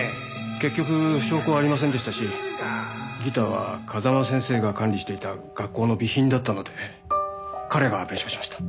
結局証拠はありませんでしたしギターは風間先生が管理していた学校の備品だったので彼が弁償しました。